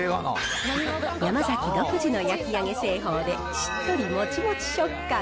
ヤマザキ独自の焼き上げ製法で、しっとりもちもち食感。